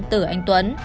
tử anh tuấn